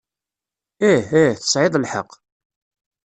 Ih, ih, tesɛiḍ lḥeqq.